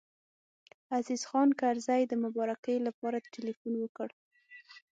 عزیز خان کرزی د مبارکۍ لپاره تیلفون وکړ.